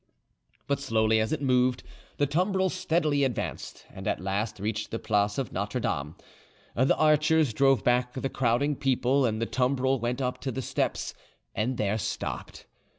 But, slowly as it moved, the tumbril steadily advanced, and at last reached the place of Notre Dame. The archers drove back the crowding people, and the tumbril went up to the steps, and there stopped.